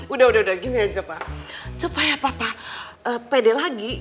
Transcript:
udah udah gini aja pak supaya papa pede lagi